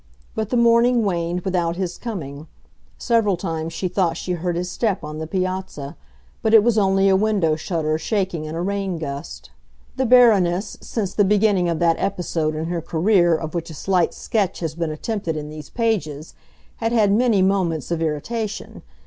But the morning waned without his coming; several times she thought she heard his step on the piazza; but it was only a window shutter shaking in a rain gust. The Baroness, since the beginning of that episode in her career of which a slight sketch has been attempted in these pages, had had many moments of irritation.